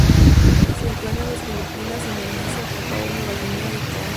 Se encuentra en las Filipinas, Indonesia, Papúa Nueva Guinea y Tonga.